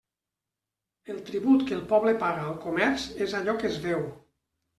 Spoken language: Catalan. El tribut que el poble paga al comerç és allò que es veu.